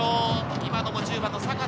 今のも１０番の阪田。